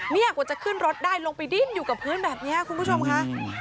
นี่กว่าจะขึ้นรถได้ลงไปดิ้นอยู่กับพื้นแบบนี้คุณผู้ชมค่ะ